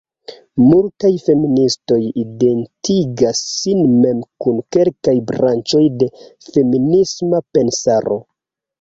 Multaj feministoj identigas sin mem kun kelkaj branĉoj de feminisma pensaro.